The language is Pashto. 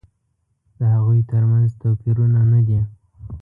د هغوی تر منځ توپیرونه نه دي.